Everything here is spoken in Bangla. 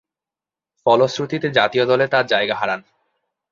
ফলশ্রুতিতে জাতীয় দলে তার জায়গা হারান।